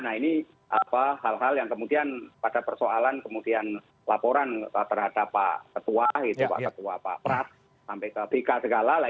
nah ini hal hal yang kemudian pada persoalan kemudian laporan terhadap pak ketua pak ketua pak pras sampai ke bk segala